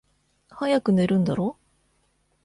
早く寝るんだろ？